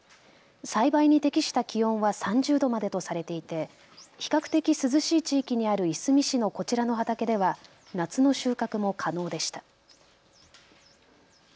栽培に適した気温は３０度までとされていて比較的涼しい地域にあるいすみ市のこちらの畑では夏の収穫も可能でした。